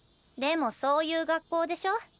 でもそういう学校でしょ？